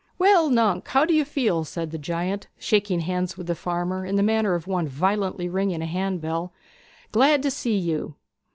'Well, nunc, how do you feel?' said the giant, shaking hands with the farmer in the manner of one violently ringing a hand bell. 'Glad to see you.'